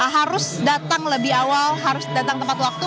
harus datang lebih awal harus datang tepat waktu